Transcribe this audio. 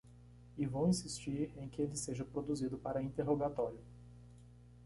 E vou insistir em que ele seja produzido para interrogatório.